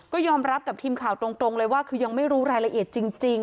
ก็ยอมรับกับทีมข่าวตรงเลยว่าคือยังไม่รู้รายละเอียดจริง